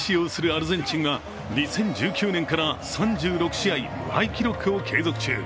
アルゼンチンが２０１９年から３６試合、無敗記録を継続中。